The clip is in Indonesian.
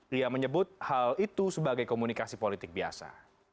dia menyebut hal itu sebagai komunikasi politik biasa